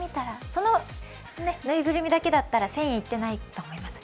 そのぬいくるみだけだったら１０００円いっていないと思います。